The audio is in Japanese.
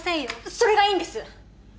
それがいいんです